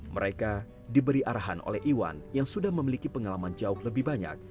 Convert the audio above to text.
mereka diberi arahan oleh iwan yang sudah memiliki pengalaman jauh lebih banyak